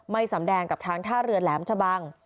สำแดงกับทางท่าเรือแหลมชะบัง